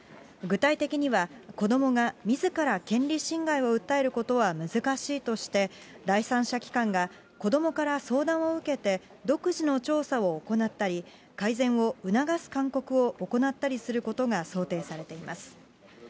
具体的には、子どもがみずから権利侵害を訴えることは難しいとして、第三者機関が子どもから相談を受けて、独自の調査を行ったり、改善を促す勧告を行ったりすることが想定されています。